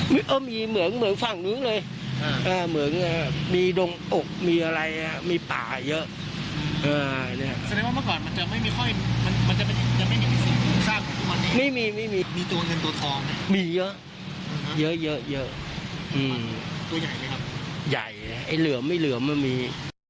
ใหญ่ไหมครับใหญ่ไอ้เหลือมไอ้เหลือมไม่มี